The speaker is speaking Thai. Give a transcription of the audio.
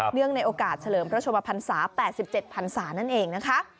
ในโอกาสเฉลิมพระชมพันศา๘๗พันศานั่นเองนะคะ